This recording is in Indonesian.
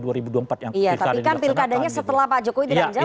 iya tapi kan pilkadanya setelah pak jokowi tidak menjabat